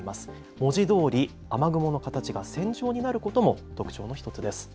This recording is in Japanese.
文字どおり、雨雲の形が線状になることも特徴の１つです。